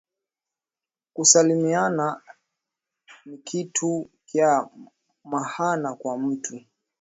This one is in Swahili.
Kusalimiana nikitu kya mahana kwa mutu